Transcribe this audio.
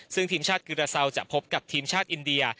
ซึ่งทีมชาติกิราเซาจะพบกับทีมชาติอินเดีย